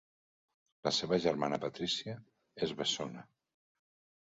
La seva germana Patrícia és bessona.